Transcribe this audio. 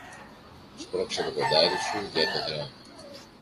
Σπρώξε το κοντάρι σου, για το Θεό